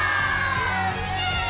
イエーイ！